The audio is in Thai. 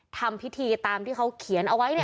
ทำพิธีตามที่เขาเขียนเอาไว้